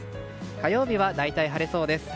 火曜日は大体晴れそうです。